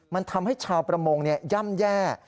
มันทำให้ชาวประมงย่ำแย่